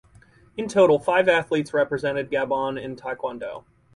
In total five athletes represented Gabon in Taekwondo.